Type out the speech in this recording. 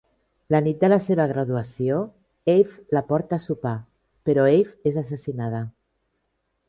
La nit de la seva graduació Abe la porta a sopar, però Abe és assassinada.